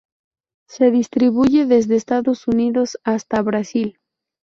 Se distribuye desde Estados Unidos hasta Brasil.